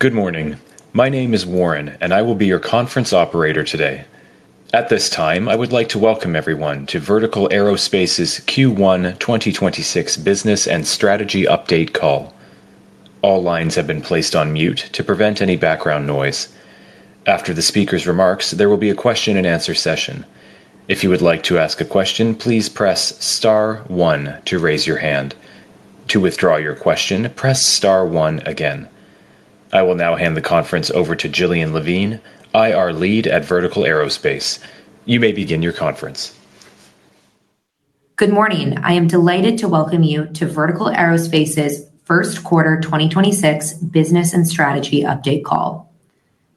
Good morning. My name is Warren, and I will be your conference operator today. At this time, I would like to welcome everyone to Vertical Aerospace's Q1 2026 business and strategy update call. All lines have been placed on mute to prevent any background noise. After the speaker's remarks, there will be a question and answer session. If you would like to ask a question, please press star one to raise your hand. To withdraw your question, press star one again. I will now hand the conference over to Jillian Levine, IR Lead at Vertical Aerospace. You may begin your conference. Good morning. I am delighted to welcome you to Vertical Aerospace's first quarter 2026 business and strategy update call.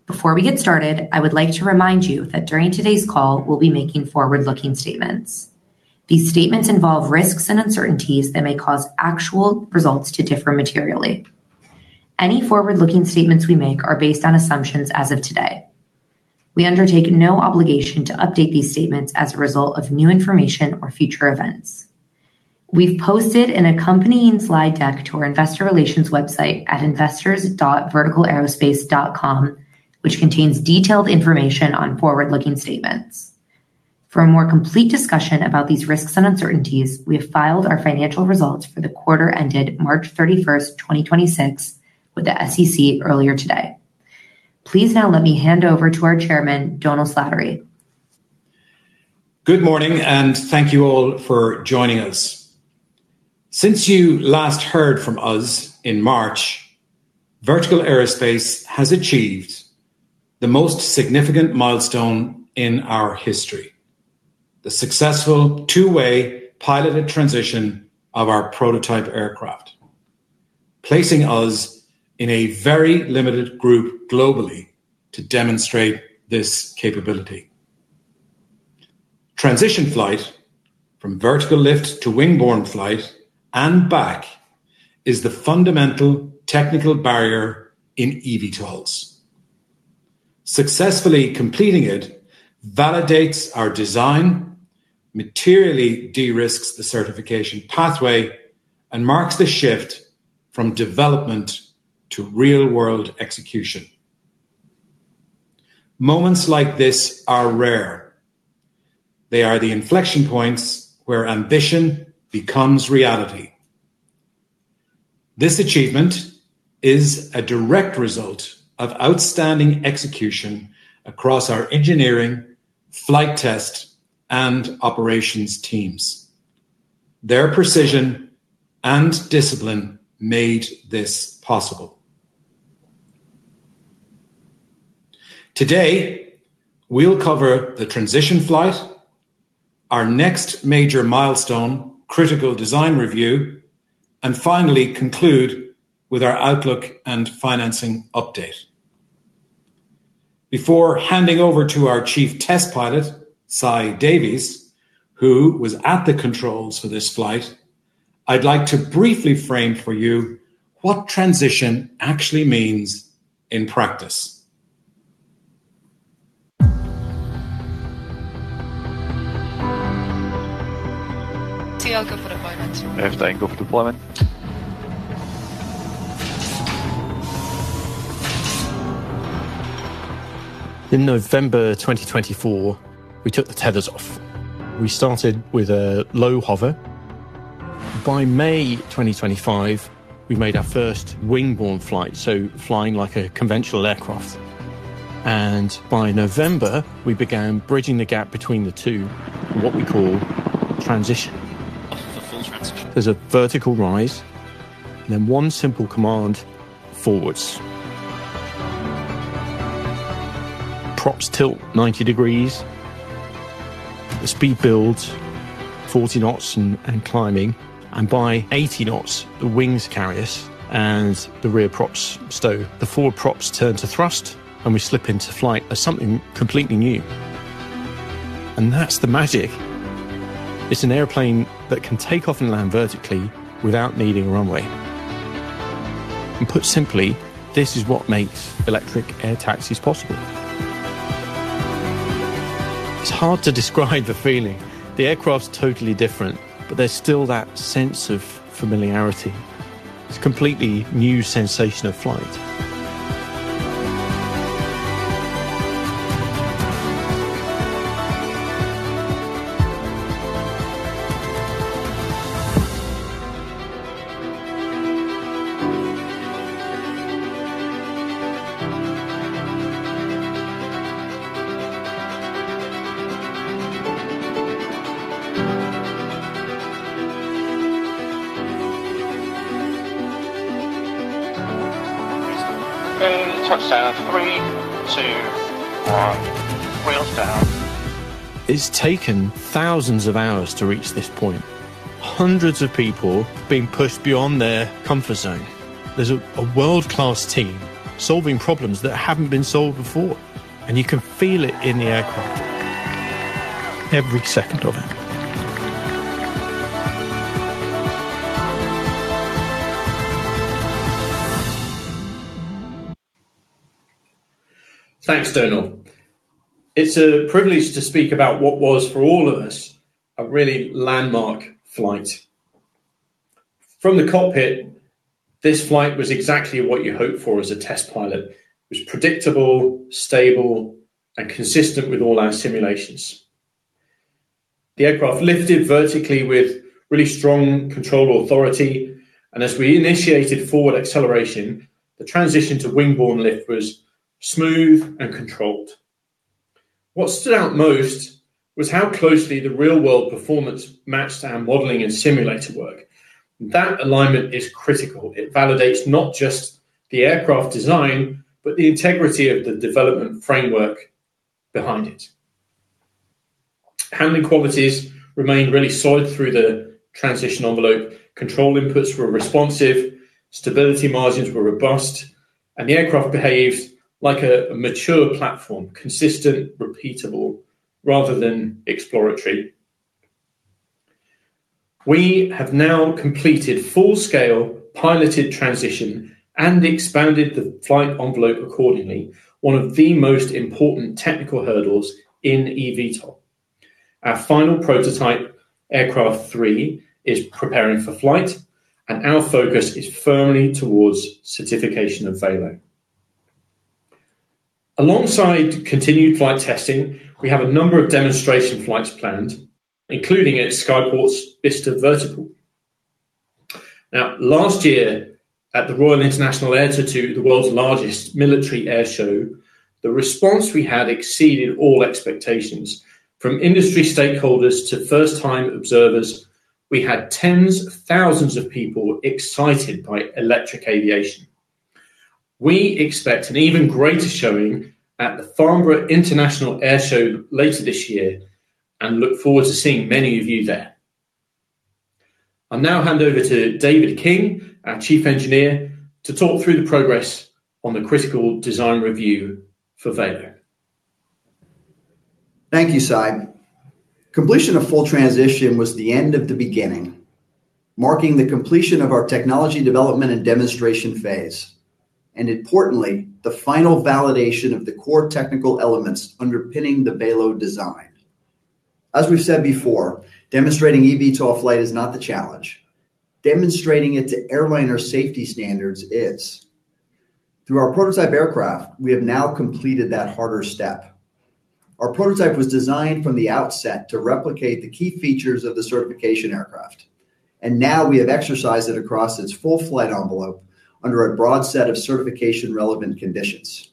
Before we get started, I would like to remind you that during today's call, we'll be making forward-looking statements. These statements involve risks and uncertainties that may cause actual results to differ materially. Any forward-looking statements we make are based on assumptions as of today. We undertake no obligation to update these statements as a result of new information or future events. We've posted an accompanying slide deck to our investor relations website at investors.vertical-aerospace.com, which contains detailed information on forward-looking statements. For a more complete discussion about these risks and uncertainties, we have filed our financial results for the quarter ended March 31st, 2026 with the SEC earlier today. Please now let me hand over to our Chairman, Dómhnal Slattery. Good morning, and thank you all for joining us. Since you last heard from us in March, Vertical Aerospace has achieved the most significant milestone in our history, the successful two-way piloted transition of our prototype aircraft, placing us in a very limited group globally to demonstrate this capability. Transition flight from vertical lift to wing-borne flight and back is the fundamental technical barrier in eVTOLs. Successfully completing it validates our design, materially de-risks the certification pathway, and marks the shift from development to real-world execution. Moments like this are rare. They are the inflection points where ambition becomes reality. This achievement is a direct result of outstanding execution across our engineering, flight test, and operations teams. Their precision and discipline made this possible. Today, we'll cover the transition flight, our next major milestone, critical design review, and finally conclude with our outlook and financing update. Before handing over to our Chief Test Pilot, Simon Davies, who was at the controls for this flight, I'd like to briefly frame for you what transition actually means in practice. TL go for deployment. FT go for deployment. In November 2024, we took the tethers off. We started with a low hover. By May 2025, we made our first wing-borne flight, so flying like a conventional aircraft. By November, we began bridging the gap between the two, what we call transition. The full transition. There's a vertical rise, then one simple command forwards. Props tilt 90 degrees. The speed builds 40 knots and climbing. By 80 knots, the wings carry us, and the rear props stow. The forward props turn to thrust, and we slip into flight as something completely new. That's the magic. It's an airplane that can take off and land vertically without needing a runway. Put simply, this is what makes electric air taxis possible. It's hard to describe the feeling. The aircraft's totally different, there's still that sense of familiarity. It's a completely new sensation of flight. Touchdown 3, 2, 1. Wheels down. It's taken thousands of hours to reach this point. Hundreds of people have been pushed beyond their comfort zone. There's a world-class team solving problems that haven't been solved before, and you can feel it in the aircraft every second of it. Thanks, Dómhnal. It's a privilege to speak about what was, for all of us, a really landmark flight. From the cockpit, this flight was exactly what you hope for as a test pilot. It was predictable, stable, and consistent with all our simulations. The aircraft lifted vertically with really strong control authority, and as we initiated forward acceleration, the transition to wing borne lift was smooth and controlled. What stood out most was how closely the real-world performance matched our modeling and simulator work. That alignment is critical. It validates not just the aircraft design, but the integrity of the development framework behind it. Handling qualities remained really solid through the transition envelope. Control inputs were responsive, stability margins were robust, and the aircraft behaved like a mature platform. Consistent, repeatable rather than exploratory. We have now completed full-scale piloted transition and expanded the flight envelope accordingly, one of the most important technical hurdles in eVTOL. Our final prototype, aircraft 3, is preparing for flight, and our focus is firmly towards certification of Valo. Alongside continued flight testing, we have a number of demonstration flights planned, including at Skyports Vertiport at Bicester Motion. Last year at the Royal International Air Tattoo, the world's largest military air show, the response we had exceeded all expectations. From industry stakeholders to first-time observers, we had tens of thousands of people excited by electric aviation. We expect an even greater showing at the Farnborough International Airshow later this year and look forward to seeing many of you there. I'll now hand over to David King, our Chief Engineer, to talk through the progress on the critical design review for Valo. Thank you, Simon. Completion of full transition was the end of the beginning, marking the completion of our technology development and demonstration phase, and importantly, the final validation of the core technical elements underpinning the VX4 design. As we've said before, demonstrating eVTOL flight is not the challenge. Demonstrating it to airliner safety standards is. Through our prototype aircraft, we have now completed that harder step. Our prototype was designed from the outset to replicate the key features of the certification aircraft, and now we have exercised it across its full flight envelope under a broad set of certification-relevant conditions.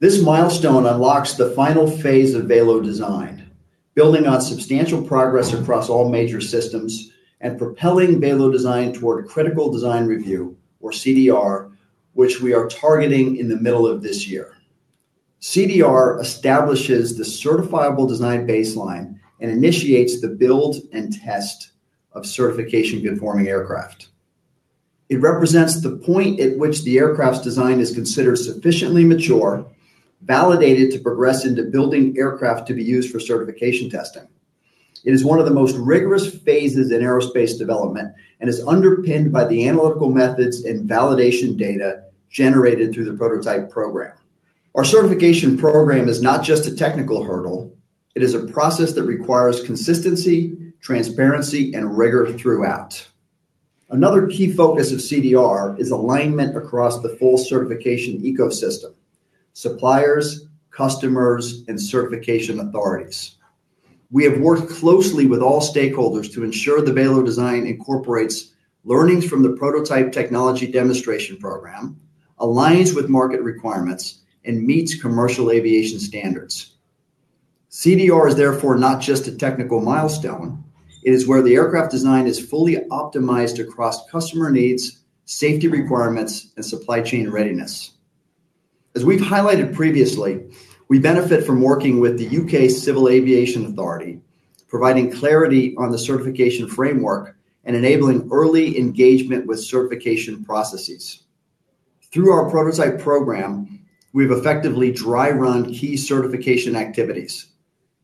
This milestone unlocks the final phase of VX4 design, building on substantial progress across all major systems and propelling VX4 design toward a critical design review, or CDR, which we are targeting in the middle of this year. CDR establishes the certifiable design baseline and initiates the build and test of certification-conforming aircraft. It represents the point at which the aircraft's design is considered sufficiently mature, validated to progress into building aircraft to be used for certification testing. It is one of the most rigorous phases in aerospace development and is underpinned by the analytical methods and validation data generated through the prototype program. Our certification program is not just a technical hurdle, it is a process that requires consistency, transparency, and rigor throughout. Another key focus of CDR is alignment across the full certification ecosystem, suppliers, customers, and certification authorities. We have worked closely with all stakeholders to ensure the VX4 design incorporates learnings from the prototype technology demonstration program, aligns with market requirements, and meets commercial aviation standards. CDR is therefore not just a technical milestone, it is where the aircraft design is fully optimized across customer needs, safety requirements, and supply chain readiness. As we've highlighted previously, we benefit from working with the U.K. Civil Aviation Authority, providing clarity on the certification framework and enabling early engagement with certification processes. Through our prototype program, we've effectively dry run key certification activities,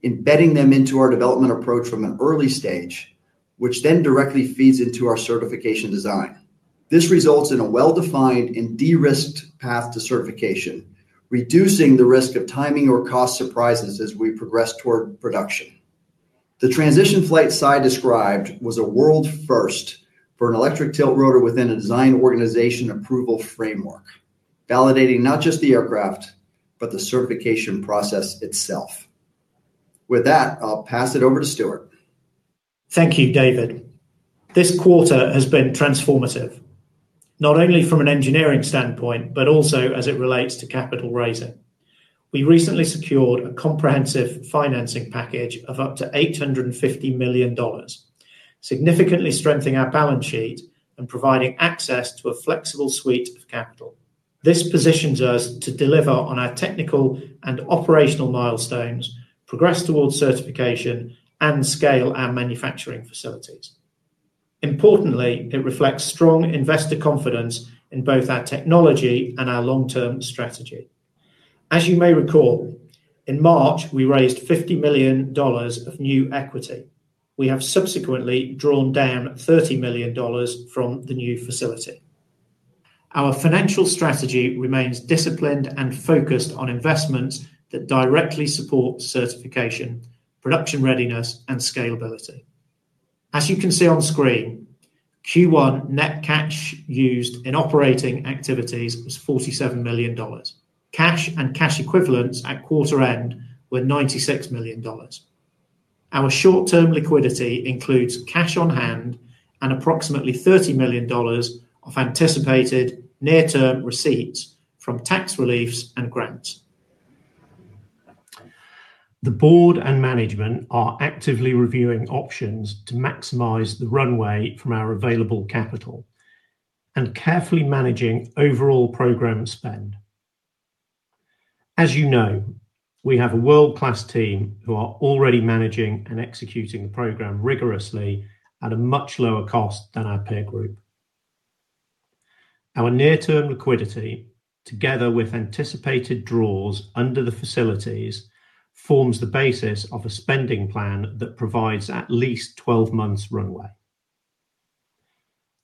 embedding them into our development approach from an early stage, which then directly feeds into our certification design. This results in a well-defined and de-risked path to certification, reducing the risk of timing or cost surprises as we progress toward production. The transition flight Si described was a world first for an electric tiltrotor within a Design Organisation Approval framework, validating not just the aircraft, but the certification process itself. With that, I'll pass it over to Stuart. Thank you, David. This quarter has been transformative, not only from an engineering standpoint, but also as it relates to capital raising. We recently secured a comprehensive financing package of up to $850 million, significantly strengthening our balance sheet and providing access to a flexible suite of capital. This positions us to deliver on our technical and operational milestones, progress towards certification, and scale our manufacturing facilities. Importantly, it reflects strong investor confidence in both our technology and our long-term strategy. As you may recall. In March, we raised GBP 50 million of new equity. We have subsequently drawn down GBP 30 million from the new facility. Our financial strategy remains disciplined and focused on investments that directly support certification, production readiness, and scalability. As you can see on screen, Q1 net cash used in operating activities was GBP 47 million. Cash and cash equivalents at quarter end were GBP 96 million. Our short-term liquidity includes cash on hand and approximately GBP 30 million of anticipated near-term receipts from tax reliefs and grants. The board and management are actively reviewing options to maximize the runway from our available capital and carefully managing overall program spend. As you know, we have a world-class team who are already managing and executing the program rigorously at a much lower cost than our peer group. Our near-term liquidity, together with anticipated draws under the facilities, forms the basis of a spending plan that provides at least 12 months runway.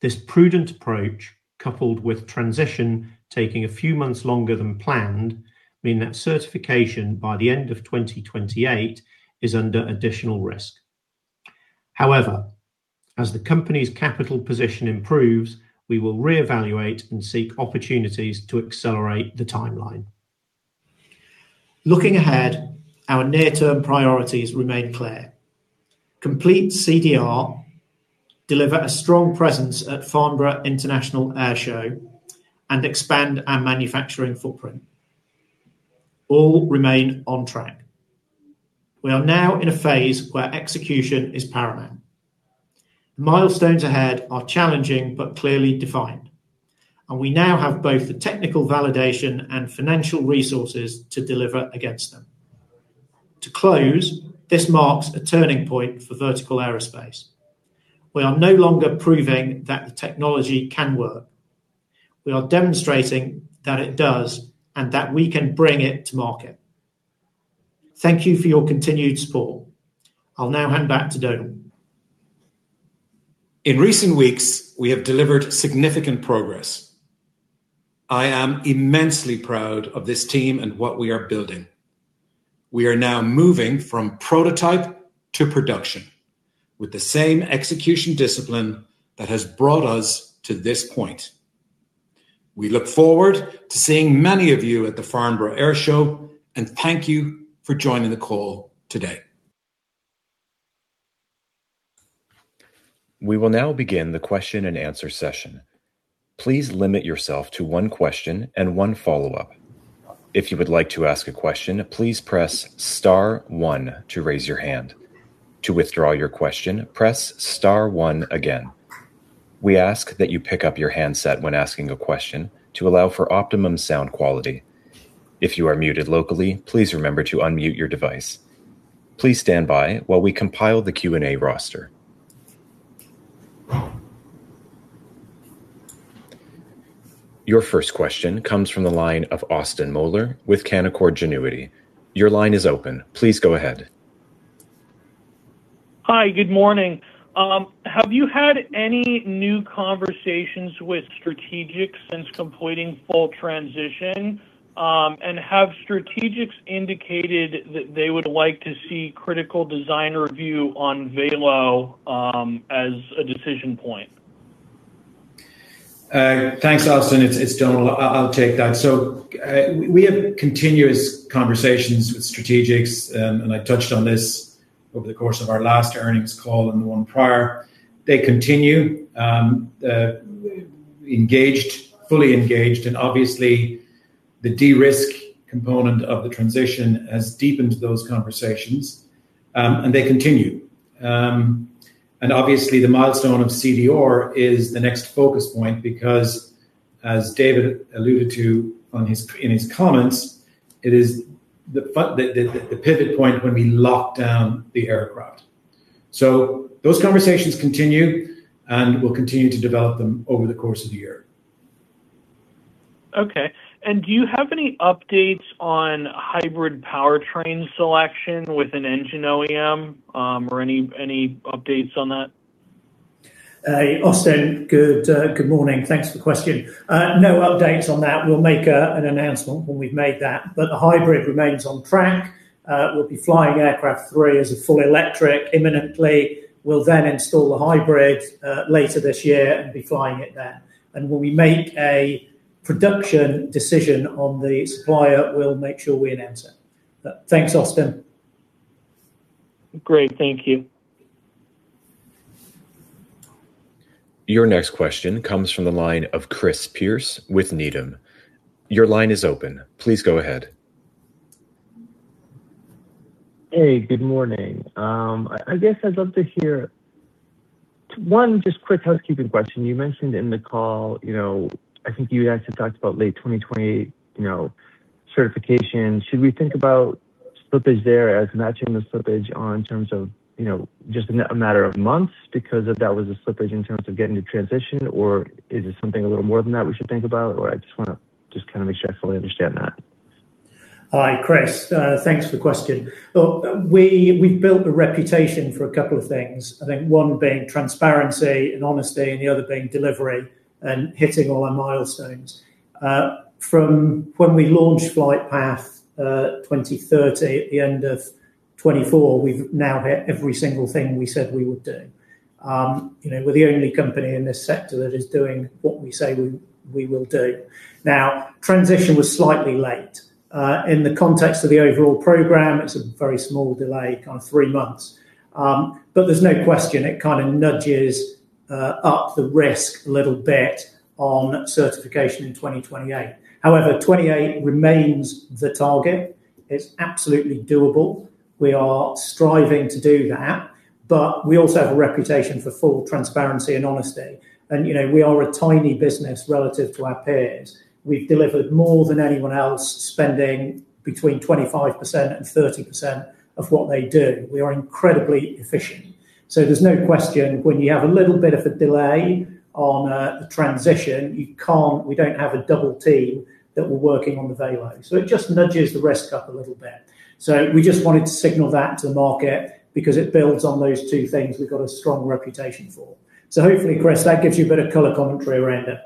This prudent approach, coupled with transition taking a few months longer than planned, mean that certification by the end of 2028 is under additional risk. However, as the company's capital position improves, we will reevaluate and seek opportunities to accelerate the timeline. Looking ahead, our near-term priorities remain clear. Complete CDR, deliver a strong presence at Farnborough International Airshow, and expand our manufacturing footprint all remain on track. We are now in a phase where execution is paramount. The milestones ahead are challenging but clearly defined, and we now have both the technical validation and financial resources to deliver against them. To close, this marks a turning point for Vertical Aerospace. We are no longer proving that the technology can work. We are demonstrating that it does and that we can bring it to market. Thank you for your continued support. I'll now hand back to Dómhnal. In recent weeks, we have delivered significant progress. I am immensely proud of this team and what we are building. We are now moving from prototype to production with the same execution discipline that has brought us to this point. We look forward to seeing many of you at the Farnborough Airshow, and thank you for joining the call today. We will now begin the question-and-answer session. Please limit yourself to one question and one follow-up. If you would like to ask a question, please press star 1 to raise your hand. To withdraw your question, press star one again. We ask that you pick up your handset when asking a question to allow for optimum sound quality. If you are muted locally, please remember to unmute your device. Please stand by while we compile the Q&A roster. Your first question comes from the line of Austin Moeller with Canaccord Genuity. Your line is open. Please go ahead. Hi. Good morning. Have you had any new conversations with strategics since completing full transition? Have strategics indicated that they would like to see critical design review on Valo as a decision point? Thanks, Austin. It's Dómhnal. I'll take that. We have continuous conversations with strategics, and I touched on this over the course of our last earnings call and the one prior. They continue engaged, fully engaged, and obviously the de-risk component of the transition has deepened those conversations, and they continue. Obviously the milestone of CDR is the next focus point because as David alluded to in his comments, it is the pivot point when we lock down the aircraft. Those conversations continue, and we'll continue to develop them over the course of the year. Okay. Do you have any updates on hybrid powertrain selection with an engine OEM or any updates on that? Austin, good morning. Thanks for the question. No updates on that. We'll make an announcement when we've made that, but the hybrid remains on track. We'll be flying Third prototype as a full electric imminently. We'll then install the hybrid later this year and be flying it then. When we make a production decision on the supplier, we'll make sure we announce it. Thanks, Austin. Great. Thank you. Your next question comes from the line of Chris Pierce with Needham. Your line is open. Please go ahead. Hey, good morning. I guess I'd love to hear one just quick housekeeping question. You mentioned in the call, you know, I think you guys had talked about late 2020, you know, certification. Should we think about slippage there as matching the slippage on terms of, you know, just a matter of months because if that was a slippage in terms of getting to transition, or is it something a little more than that we should think about? I just wanna kinda make sure I fully understand that. Hi, Chris. Thanks for the question. Look, we've built a reputation for a couple of things. I think one being transparency and honesty, the other being delivery and hitting all our milestones. From when we launched Flight Path 2030 at the end of 2024, we've now hit every single thing we said we would do. You know, we're the only company in this sector that is doing what we say we will do. Transition was slightly late. In the context of the overall program, it's a very small delay, kind of 3 months. There's no question it kind of nudges up the risk a little bit on certification in 2028. However, 2028 remains the target. It's absolutely doable. We are striving to do that, but we also have a reputation for full transparency and honesty. You know, we are a tiny business relative to our peers. We've delivered more than anyone else, spending between 25% and 30% of what they do. We are incredibly efficient. There's no question when you have a little bit of a delay on the transition, we don't have a double team that we're working on the Valo. It just nudges the risk up a little bit. We just wanted to signal that to the market because it builds on those two things we've got a strong reputation for. Hopefully, Chris, that gives you a bit of color commentary around it.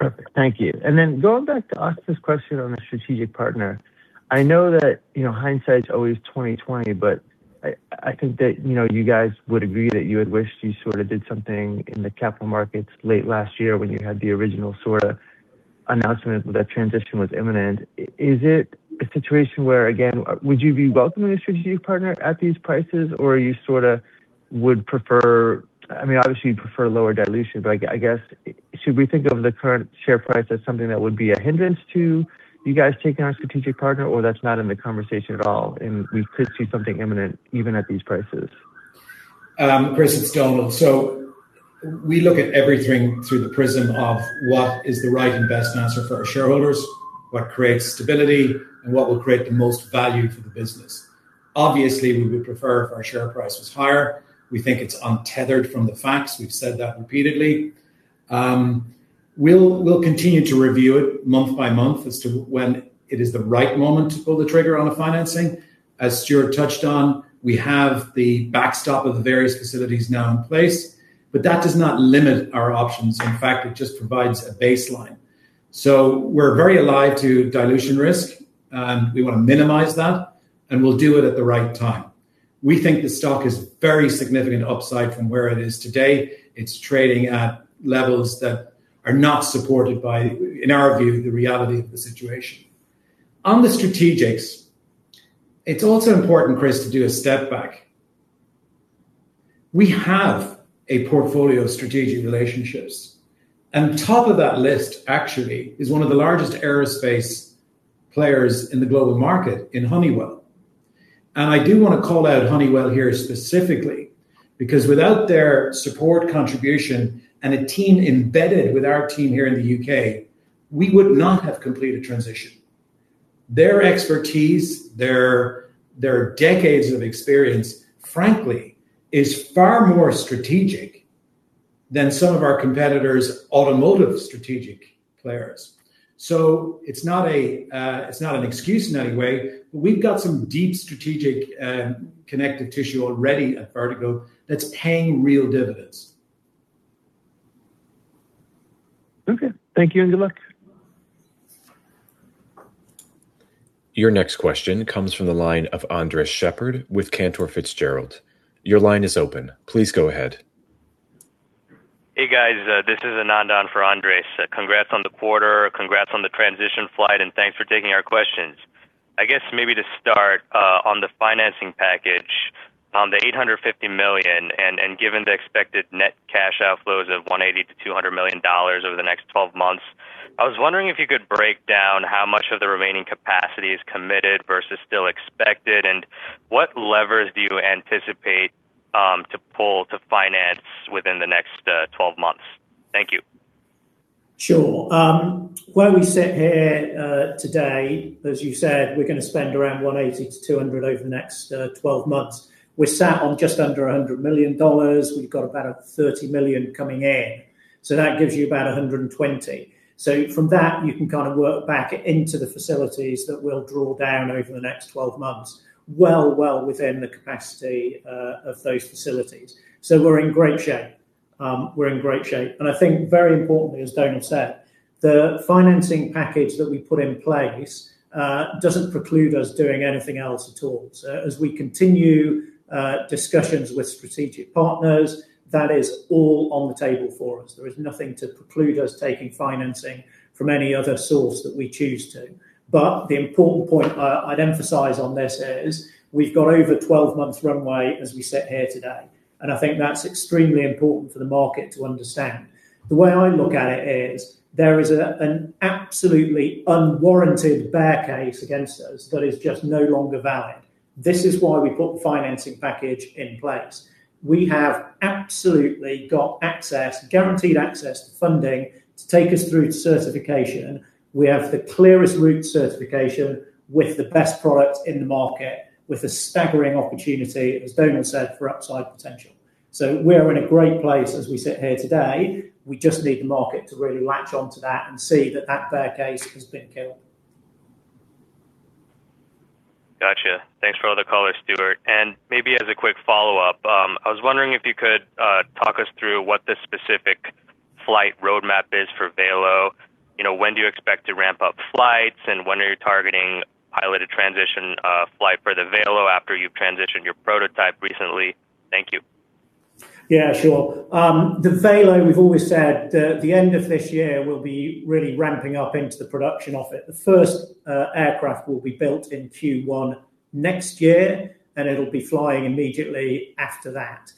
Perfect. Thank you. Going back to ask this question on a strategic partner. I know that, you know, hindsight's always 20/20, but I think that, you know, you guys would agree that you had wished you sort of did something in the capital markets late last year when you had the original sort of announcement that transition was imminent. Is it a situation where, again, would you be welcoming a strategic partner at these prices, or you sort of would prefer I mean, obviously, you'd prefer lower dilution, but I guess should we think of the current share price as something that would be a hindrance to you guys taking on a strategic partner, or that's not in the conversation at all, and we could see something imminent even at these prices? Chris, it's Dómhnal. We look at everything through the prism of what is the right and best answer for our shareholders, what creates stability, and what will create the most value for the business. Obviously, we would prefer if our share price was higher. We think it's untethered from the facts. We've said that repeatedly. We'll continue to review it month by month as to when it is the right moment to pull the trigger on a financing. As Stuart touched on, we have the backstop of the various facilities now in place, that does not limit our options. In fact, it just provides a baseline. We're very alive to dilution risk, and we wanna minimize that, and we'll do it at the right time. We think the stock is very significant upside from where it is today. It's trading at levels that are not supported by, in our view, the reality of the situation. On the strategics, it's also important, Chris, to do a step back. We have a portfolio of strategic relationships, top of that list actually is one of the largest aerospace players in the global market in Honeywell. I do wanna call out Honeywell here specifically, because without their support, contribution, and a team embedded with our team here in the U.K., we would not have completed transition. Their expertise, their decades of experience, frankly, is far more strategic than some of our competitors' automotive strategic players. It's not a, it's not an excuse in any way, but we've got some deep strategic connective tissue already at Vertical that's paying real dividends. Okay. Thank you, and good luck. Your next question comes from the line of Andres Sheppard with Cantor Fitzgerald. Your line is open. Please go ahead. Hey, guys. This is Anandha for Andres. Congrats on the quarter. Congrats on the transition flight, and thanks for taking our questions. I guess maybe to start, on the financing package, on the $850 million, and given the expected net cash outflows of $180 million-$200 million over the next 12 months, I was wondering if you could break down how much of the remaining capacity is committed versus still expected, and what levers do you anticipate to pull to finance within the next 12 months? Thank you. Sure. Where we sit here today, as you said, we're gonna spend around $180 million-$200 million over the next 12 months. We're sat on just under $100 million. We've got about $30 million coming in. That gives you about $120 million. From that, you can kind of work back into the facilities that we'll draw down over the next 12 months, well within the capacity of those facilities. We're in great shape. We're in great shape. I think very importantly, as Dómhnal said, the financing package that we put in place doesn't preclude us doing anything else at all. As we continue discussions with strategic partners, that is all on the table for us. There is nothing to preclude us taking financing from any other source that we choose to. The important point I'd emphasize on this is, we've got over 12 months runway as we sit here today. I think that's extremely important for the market to understand. The way I look at it is there is an absolutely unwarranted bear case against us that is just no longer valid. This is why we put the financing package in place. We have absolutely got access, guaranteed access to funding to take us through to certification. We have the clearest route to certification with the best product in the market, with a staggering opportunity, as Dómhnal said, for upside potential. We are in a great place as we sit here today. We just need the market to really latch onto that and see that that bear case has been killed. Gotcha. Thanks for all the color, Stuart. Maybe as a quick follow-up, I was wondering if you could talk us through what the specific flight roadmap is for Valo. You know, when do you expect to ramp up flights, and when are you targeting piloted transition flight for the Valo after you've transitioned your prototype recently? Thank you. Yeah, sure. The Valo, we've always said that the end of this year will be really ramping up into the production of it. The first aircraft will be built in Q1 next year, and it'll be flying immediately after that.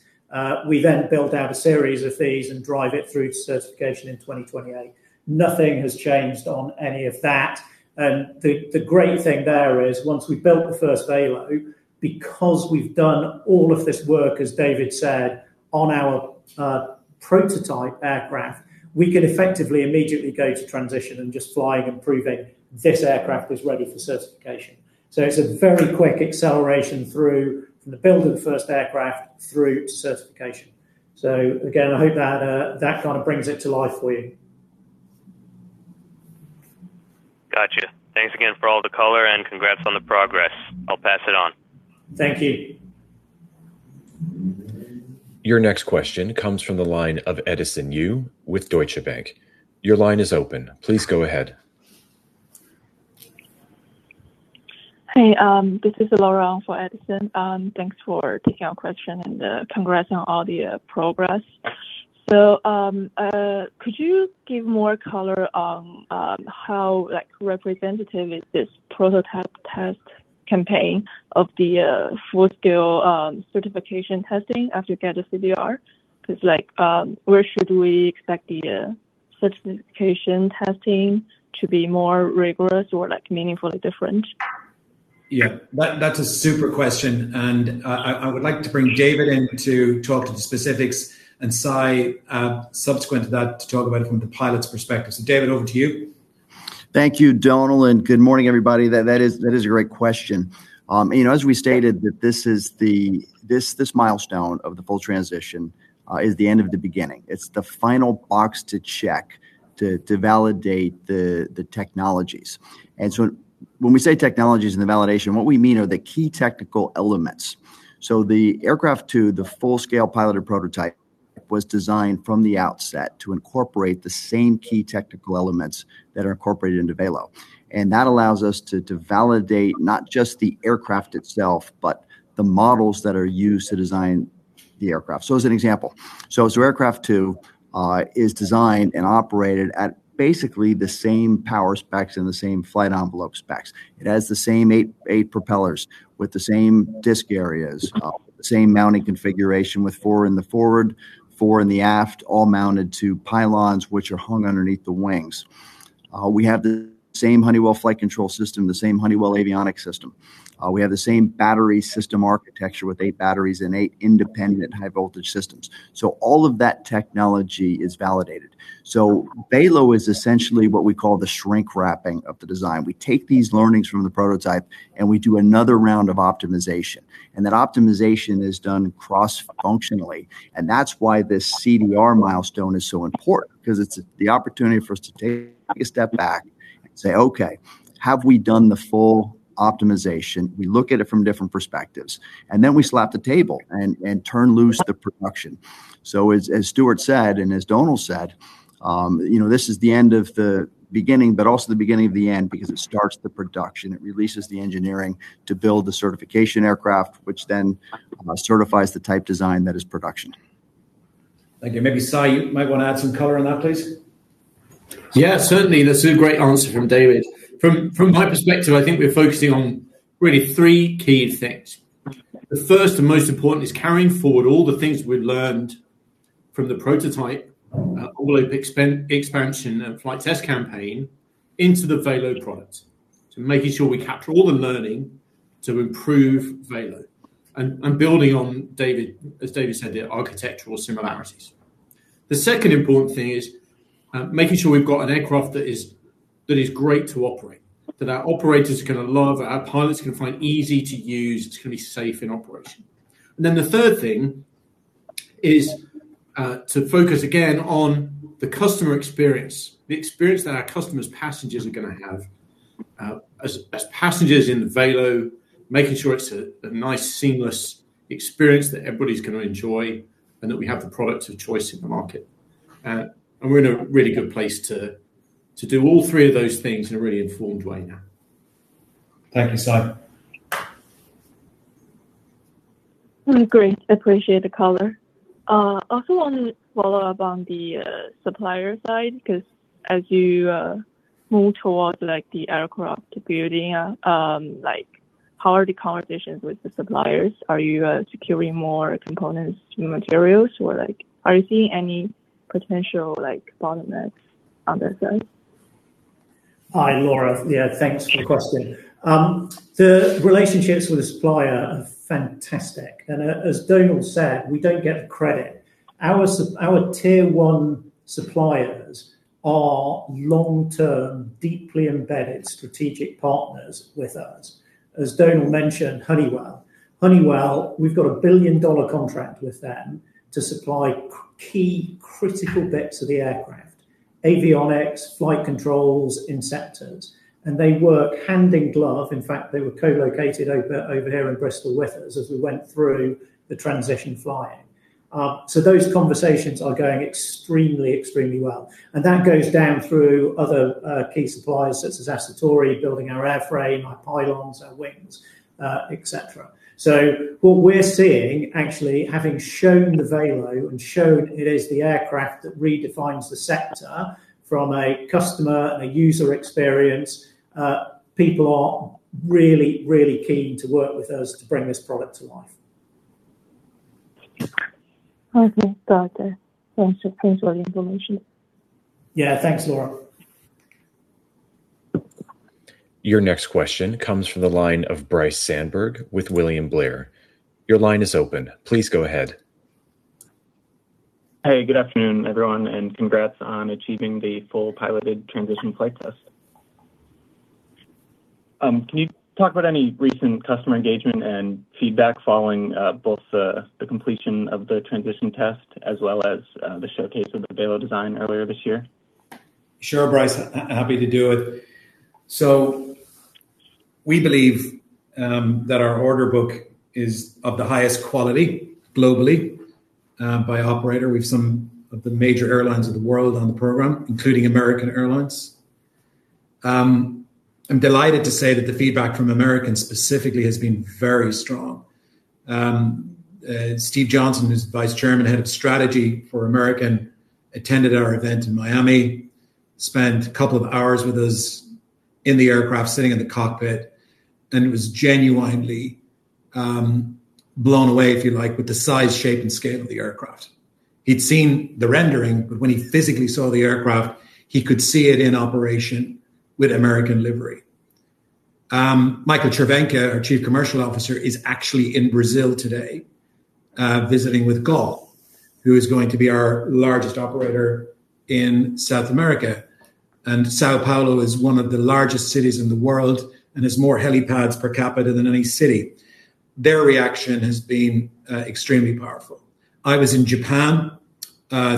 We then build out a series of these and drive it through to certification in 2028. Nothing has changed on any of that. The great thing there is once we've built the first Valo, because we've done all of this work, as David said, on our prototype aircraft, we can effectively immediately go to transition and just flying and proving this aircraft is ready for certification. It's a very quick acceleration through from the build of the first aircraft through to certification. Again, I hope that that kind of brings it to life for you. Gotcha. Thanks again for all the color and congrats on the progress. I'll pass it on. Thank you. Your next question comes from the line of Edison Yu with Deutsche Bank. Your line is open. Please go ahead. Hey, this is Laura for Edison. Thanks for taking our question, and congrats on all the progress. Could you give more color on how like representative is this prototype test campaign of the full-scale certification testing after you get the CDR? Cause like, where should we expect the certification testing to be more rigorous or like meaningfully different? Yeah. That's a super question, and I would like to bring David in to talk to the specifics and Si, subsequent to that to talk about it from the pilot's perspective. David, over to you. Thank you, Dómhnal, and good morning, everybody. That is a great question. You know, as we stated that this milestone of the full transition is the end of the beginning. It's the final box to check to validate the technologies. When we say technologies and the validation, what we mean are the key technical elements. The Second prototype, the full-scale piloted prototype was designed from the outset to incorporate the same key technical elements that are incorporated into Valo. That allows us to validate not just the aircraft itself, but the models that are used to design the aircraft. As an example, as Second prototype is designed and operated at basically the same power specs and the same flight envelope specs. It has the same eight propellers with the same disc areas, same mounting configuration with four in the forward, four in the aft, all mounted to pylons which are hung underneath the wings. We have the same Honeywell flight control system, the same Honeywell avionics system. We have the same battery system architecture with eight batteries and eight independent high voltage systems. All of that technology is validated. VALO is essentially what we call the shrink wrapping of the design. We take these learnings from the prototype, and we do another round of optimization, and that optimization is done cross-functionally. That's why this CDR milestone is so important because it's the opportunity for us to take a step back and say, "Okay, have we done the full optimization?" We look at it from different perspectives, and then we slap the table and turn loose the production. As Stuart said, and as Dómhnal said, you know, this is the end of the beginning, but also the beginning of the end because it starts the production. It releases the engineering to build the certification aircraft, which then certifies the type design that is production. Thank you. Maybe, Si, you might wanna add some color on that, please. Yeah, certainly. That's a great answer from David. From my perspective, I think we're focusing on really three key things. The first and most important is carrying forward all the things we've learned from the prototype, all the expansion and flight test campaign into the Valo product. Making sure we capture all the learning to improve Valo and building on David, as David said, the architectural similarities. The second important thing is making sure we've got an aircraft that is great to operate, that our operators are gonna love, that our pilots can find easy to use. It's gonna be safe in operation. The third thing is to focus again on the customer experience, the experience that our customers passengers are gonna have as passengers in the Valo, making sure it's a nice seamless experience that everybody's gonna enjoy and that we have the product of choice in the market. We're in a really good place to do all three of those things in a really informed way now. Thank you, Si. Great. Appreciate the color. I also want to follow-up on the supplier side, 'cause as you move towards like the aircraft building, like how are the conversations with the suppliers? Are you securing more components and materials or like are you seeing any potential like bottlenecks on that side? Hi, Laura. Yeah, thanks for the question. The relationships with the supplier are fantastic. As Dómhnal said, we don't get the credit. Our tier one suppliers are long-term, deeply embedded strategic partners with us. As Dómhnal mentioned, Honeywell. Honeywell, we've got a billion-dollar contract with them to supply key critical bits of the aircraft. Avionics, flight controls, inceptors, and they work hand in glove. In fact, they were co-located over here in Bristol with us as we went through the transition flying. Those conversations are going extremely well. That goes down through other key suppliers such as Aciturri, building our airframe, our pylons, our wings, et cetera. What we're seeing, actually, having shown the Valo and shown it is the aircraft that redefines the sector from a customer and a user experience, people are really, really keen to work with us to bring this product to life. Okay. Got it. Thanks for all the information. Yeah. Thanks, Laura. Your next question comes from the line of Bryce Sandberg with William Blair. Your line is open. Please go ahead. Hey, good afternoon, everyone, and congrats on achieving the full piloted transition flight test. Can you talk about any recent customer engagement and feedback following both the completion of the transition test as well as the showcase of the Valo design earlier this year? Sure, Bryce. Happy to do it. We believe that our order book is of the highest quality globally by operator. We've some of the major airlines of the world on the program, including American Airlines. I'm delighted to say that the feedback from American specifically has been very strong. Stephen Johnson, who's Vice Chairman, Head of Strategy for American, attended our event in Miami, spent a couple of hours with us in the aircraft sitting in the cockpit, and was genuinely blown away, if you like, with the size, shape, and scale of the aircraft. He'd seen the rendering, but when he physically saw the aircraft, he could see it in operation with American livery. Michael Cervenka, our Chief Commercial Officer, is actually in Brazil today, visiting with Gol, who is going to be our largest operator in South America. São Paulo is one of the largest cities in the world and has more helipads per capita than any city. Their reaction has been extremely powerful. I was in Japan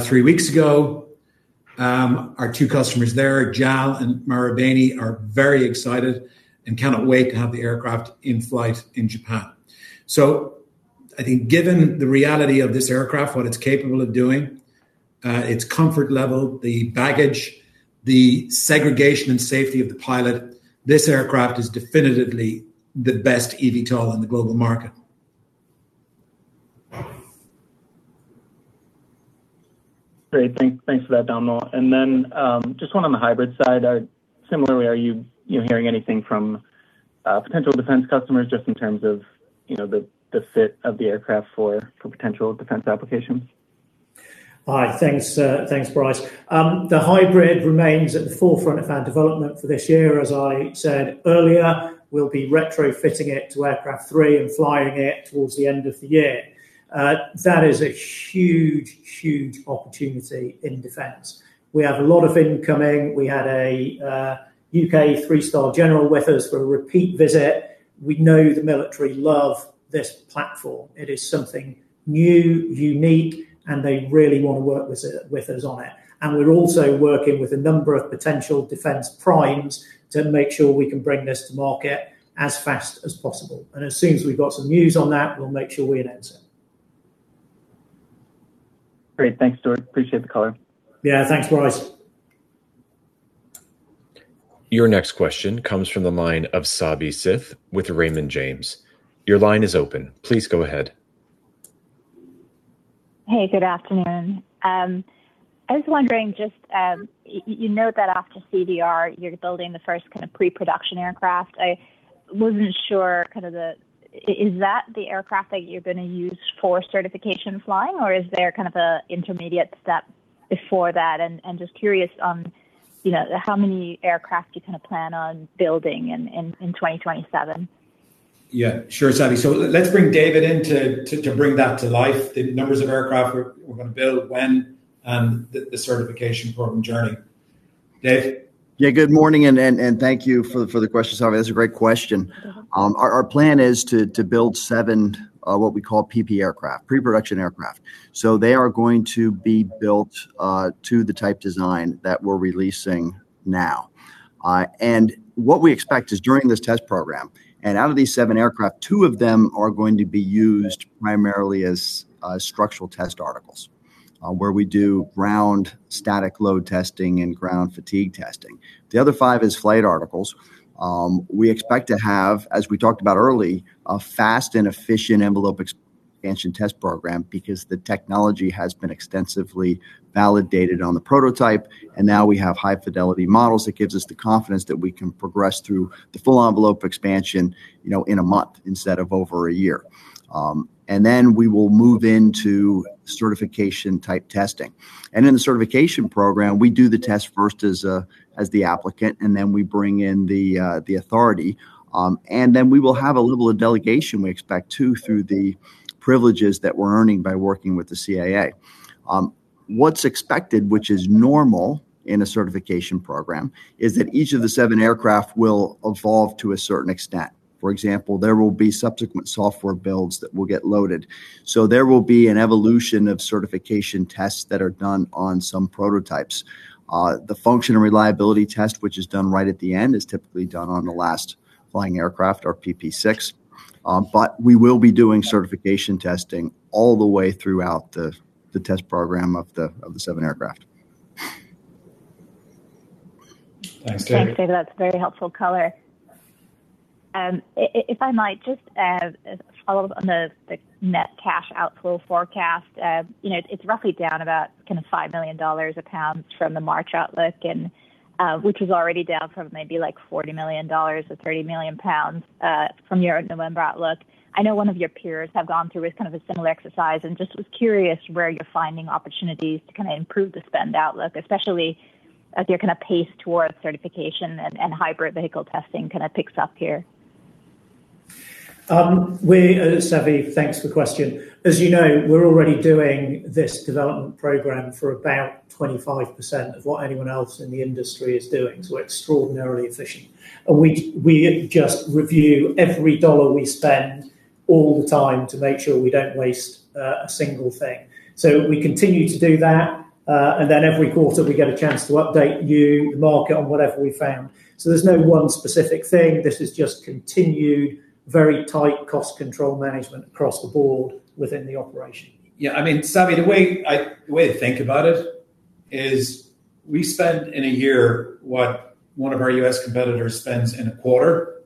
three weeks ago. Our two customers there, Japan Airlines and Marubeni, are very excited and cannot wait to have the aircraft in flight in Japan. I think given the reality of this aircraft, what it's capable of doing, its comfort level, the baggage, the segregation and safety of the pilot, this aircraft is definitively the best eVTOL in the global market. Great. Thanks for that, Dómhnal. Just one on the hybrid side. Similarly, are you know, hearing anything from potential defense customers just in terms of, you know, the fit of the aircraft for potential defense applications? Hi. Thanks, thanks, Bryce. The hybrid remains at the forefront of our development for this year. As I said earlier, we'll be retrofitting it to Third prototype and flying it towards the end of the year. That is a huge opportunity in defense. We have a lot of incoming. We had a U.K. 3-star general with us for a repeat visit. We know the military love this platform. It is something new, unique, and they really wanna work with us on it. We're also working with a number of potential defense primes to make sure we can bring this to market as fast as possible. As soon as we've got some news on that, we'll make sure we announce it. Great. Thanks, Stuart. Appreciate the call. Yeah. Thanks, Bryce. Your next question comes from the line of Savanthi Syth with Raymond James. Your line is open. Please go ahead. Hey, good afternoon. I was wondering just, you note that after CDR, you're building the first kind of pre-production aircraft. I wasn't sure. Is that the aircraft that you're gonna use for certification flying, or is there kind of a intermediate step before that? Just curious on, you know, how many aircraft you kind of plan on building in 2027. Yeah. Sure, Savi. Let's bring David in to bring that to life, the numbers of aircraft we're gonna build when the certification program journey. Dave? Yeah, good morning, thank you for the question, Savi. That's a great question. Our plan is to build seven, what we call PP aircraft, pre-production aircraft. They are going to be built to the type design that we're releasing now. What we expect is during this test program, and out of these seven aircraft, two of them are going to be used primarily as structural test articles, where we do ground static load testing and ground fatigue testing. The other five is flight articles. We expect to have, as we talked about early, a fast and efficient envelope expansion test program because the technology has been extensively validated on the prototype, and now we have high-fidelity models that gives us the confidence that we can progress through the full envelope expansion, you know, in a month instead of over a year. Then we will move into certification type testing. In the certification program, we do the test first as the applicant, then we bring in the authority. We will have a little of delegation we expect too, through the privileges that we're earning by working with the CAA. What's expected, which is normal in a certification program, is that each of the seven aircraft will evolve to a certain extent. For example, there will be subsequent software builds that will get loaded. There will be an evolution of certification tests that are done on some prototypes. The function and reliability test, which is done right at the end, is typically done on the last flying aircraft or PP6. We will be doing certification testing all the way throughout the test program of the seven aircraft. Thanks, David. Thanks, David. That's very helpful color. If I might just follow up on the net cash outflow forecast. You know, it's roughly down about kind of $5 million or GBP 5 million from the March outlook, which was already down from maybe like $40 million or 30 million pounds from your November outlook. I know one of your peers have gone through kind of a similar exercise, and just was curious where you're finding opportunities to kind of improve the spend outlook, especially as you're gonna pace towards certification and hybrid vehicle testing kind of picks up here. Savi, thanks for the question. As you know, we're already doing this development program for about 25% of what anyone else in the industry is doing, so we just review every dollar we spend all the time to make sure we don't waste a single thing. We continue to do that, every quarter we get a chance to update you, the market, on whatever we found. There's no one specific thing. This is just continued very tight cost control management across the board within the operation. I mean, Savi, the way I the way to think about it is we spend in a year what one of our U.S. competitors spends in a quarter,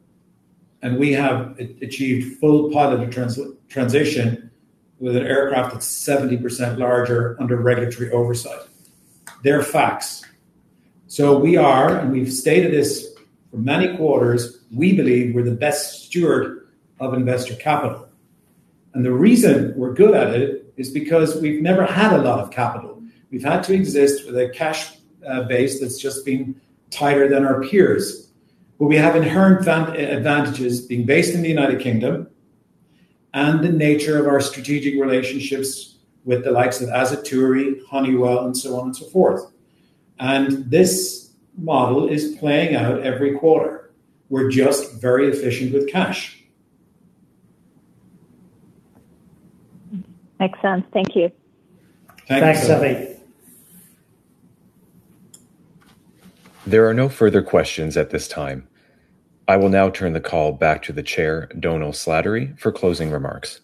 and we have achieved full positive trans-transition with an aircraft that's 70% larger under regulatory oversight. They're facts. We are, and we've stated this for many quarters, we believe we're the best steward of investor capital. The reason we're good at it is because we've never had a lot of capital. We've had to exist with a cash base that's just been tighter than our peers. We have inherent advantages being based in the United Kingdom and the nature of our strategic relationships with the likes of Aciturri, Honeywell, and so on and so forth. This model is playing out every quarter. We're just very efficient with cash. Makes sense. Thank you. Thanks, Savi. Thanks, Savi. There are no further questions at this time. I will now turn the call back to the chair, Dómhnal Slattery, for closing remarks.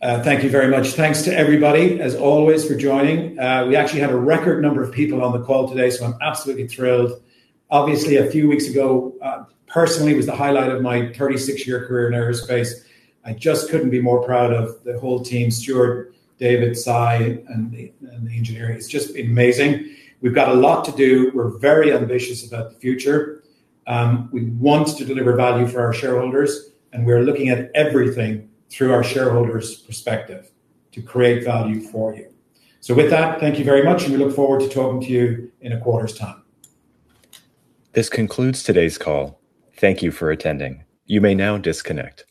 Thank you very much. Thanks to everybody, as always, for joining. We actually had a record number of people on the call today, so I'm absolutely thrilled. Obviously, a few weeks ago, personally was the highlight of my 36-year career in aerospace. I just couldn't be more proud of the whole team, Stuart, David, Si, and the engineering. It's just been amazing. We've got a lot to do. We're very ambitious about the future. We want to deliver value for our shareholders, and we're looking at everything through our shareholders' perspective to create value for you. With that, thank you very much, and we look forward to talking to you in a quarter's time. This concludes today's call. Thank you for attending. You may now disconnect.